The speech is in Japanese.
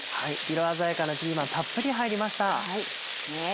色鮮やかなピーマンたっぷり入りました。